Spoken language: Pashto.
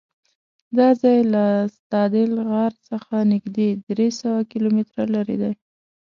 دا ځای له ستادل غار څخه نږدې درېسوه کیلومتره لرې دی.